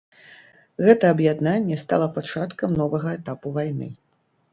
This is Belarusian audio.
Гэта аб'яднанне стала пачаткам новага этапу вайны.